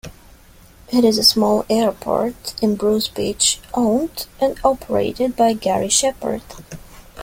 It is a small airport in Bruce Beach owned and operated by Garry Shepherd.